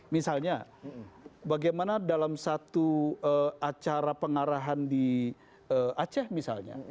misalnya bagaimana dalam satu acara pengarahan di aceh misalnya